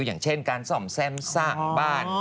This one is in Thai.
อย่างเช่นการส่อมแซ่มสร้างบ้าน